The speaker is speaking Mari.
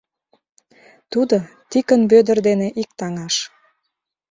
Тудо Тикын Вӧдыр дене иктаҥаш.